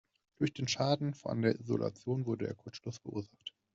Durch den Schaden an der Isolation wurde der Kurzschluss verursacht.